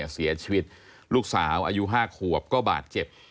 เสียชีวิตลูกสาวอายุ๕ขวบก็บาดเจ็บ